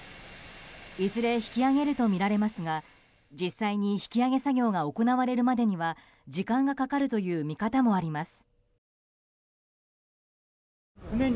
いずれ引き揚げるとみられますが実際に引き揚げ作業が行われるまでには時間がかかるという見方もあります。